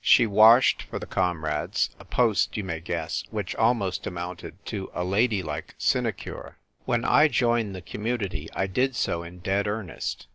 She washed for the comrades, a post, you may guess, which almost amounted to a lady like sinecure. When I joined the Community I did so in dead earnest.